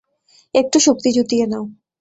একটু শক্তি জুটিয়ে নাও।